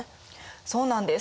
そうなんです。